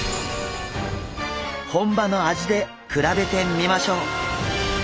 本場の味で比べてみましょう！